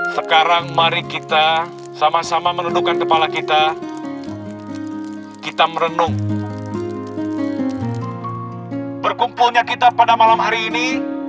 sekarang mari kita sama sama menundukkan kepala kita kita merenung berkumpulnya kita pada malam hari ini